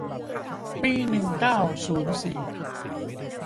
ปีหนึ่งเก้าศูนย์สี่